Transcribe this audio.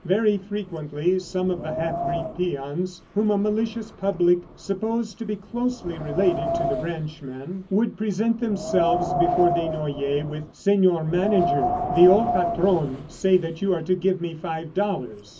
Very frequently some of the half breed peons whom a malicious public supposed to be closely related to the ranchman, would present themselves before Desnoyers with, "Senor Manager, the old Patron say that you are to give me five dollars."